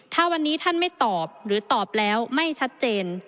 ถ้าวันนี้ท่านไม่ตอบหรือตอบแล้วไม่ชัดเจน